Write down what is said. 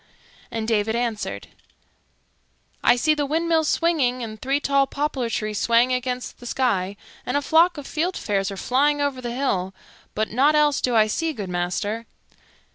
And David answered, "I see the windmills swinging and three tall poplar trees swaying against the sky, and a flock of fieldfares are flying over the hill; but nought else do I see, good master."